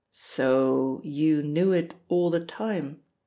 "So you knew it all the time?"